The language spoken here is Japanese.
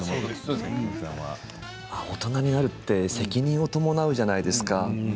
大人になるって責任を伴うじゃないですか。